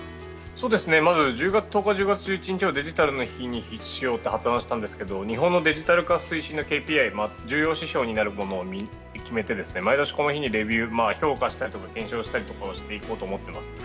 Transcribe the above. まず１０月１０日１０月１１日をデジタルの日にしようと発案したんですけど日本のデジタル化推進のＫＰＩ重要指標になるものを決めて毎年この日に、それをレビュー評価や検証をしようと思っています。